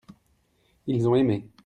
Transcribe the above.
ils ont aimé.